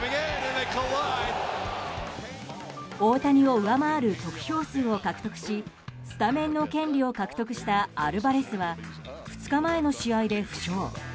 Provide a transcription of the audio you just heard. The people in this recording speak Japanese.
大谷を上回る得票数を獲得しスタメンの権利を獲得したアルバレスは２日前の試合で負傷。